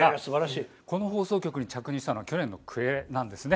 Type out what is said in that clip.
この放送局に着任したのは去年の暮れです。